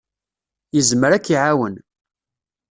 Yezmer ad k-iɛawen.